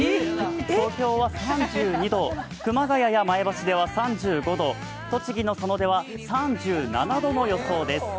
東京は３２度、熊谷や前橋では３５度、栃木の佐野では３７度の予想です。